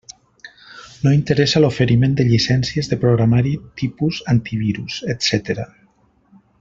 No interessa l'oferiment de llicències de programari tipus antivirus, etcètera